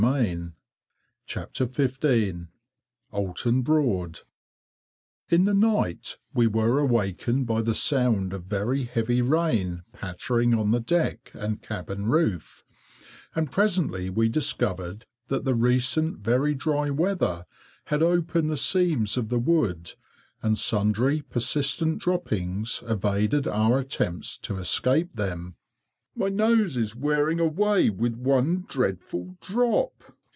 [Picture: Decorative drop capital] In the night we were awakened by the sound of very heavy rain pattering on the deck and cabin roof, and presently we discovered that the recent very dry weather had opened the seams of the wood, and sundry persistent droppings evaded our attempts to escape them. "My nose is wearing away with one dreadful drop."